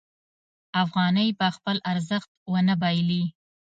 افغانۍ به خپل ارزښت ونه بایلي.